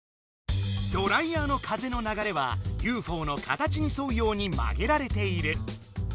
ドライヤーの風の流れはＵＦＯの形にそうようにまげられている。